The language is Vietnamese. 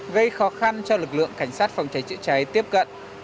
gây khó khăn cho lực lượng cảnh sát phòng cháy chữa cháy tiếp cận